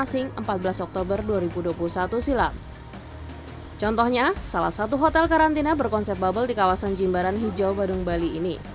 sebagai contoh hotel hotel karantina ini berkonsep bubble di kawasan jimbaran hijau badung bali